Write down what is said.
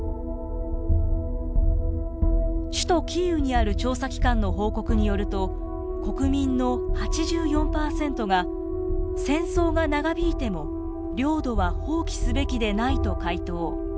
首都キーウにある調査機関の報告によると国民の８４％が戦争が長引いても領土は放棄すべきでないと回答。